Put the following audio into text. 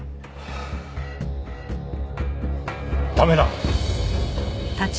駄目だ！